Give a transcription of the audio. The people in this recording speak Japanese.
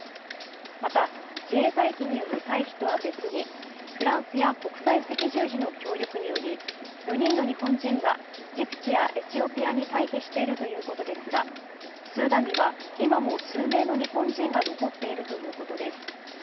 また自衛隊機による退避とは別にフランスや国際赤十字の協力により４人の日本人がジブチやエチオピアに退避しているということですがスーダンには今も数名の日本人が残っているということです。